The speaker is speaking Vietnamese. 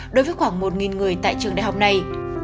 đối với khoảng một người tại trường đại học này